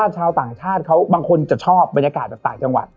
ชาวต่างชาติเขาบางคนจะชอบบรรยากาศแบบต่างจังหวัด